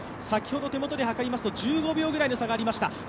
先ほど手元で測りますと１５秒ぐらいの差がありました。